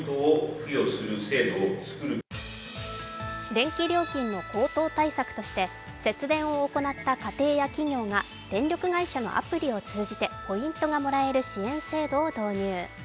電気料金の高騰対策として節電を行った家庭や企業が電力会社のアプリを使ってポイントがもらえる支援制度を導入。